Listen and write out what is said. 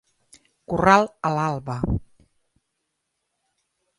Corral a l'alba.